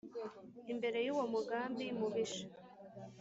imbere y’ uwo mugambi mubisha.